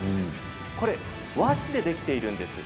これ、和紙でできているんです。